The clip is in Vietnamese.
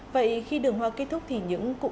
vậy khi đường hoa kết thúc thì những cụm linh vụn